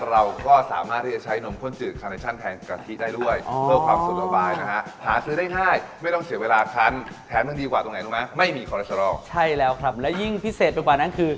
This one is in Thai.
เราก็สามารถที่จะใช้นมข้นจู๋